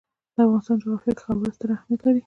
د افغانستان جغرافیه کې خاوره ستر اهمیت لري.